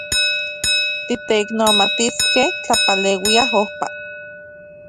Titeiknomatiskej tepaleuia ojpa.